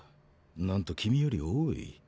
なんと君より多い。